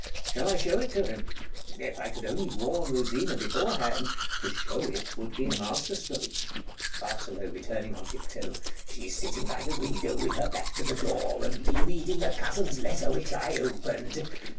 Shall I show it to him? If I could only warn Rosina beforehand! To show it would be a master stroke. Bartolo [returning on tiptoe] She's sitting by the window with her back to the door, and re reading a cousin's letter which I opened.